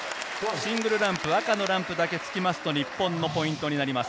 シングルランプ、赤のランプだけつきますと、日本のポイントになります。